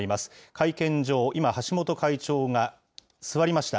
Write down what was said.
会見場、今、橋本会長が座りました。